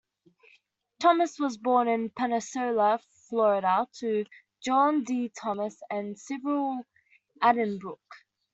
Thomas was born in Pensacola, Florida, to John D. Thomas and Sibyl Addenbrooke.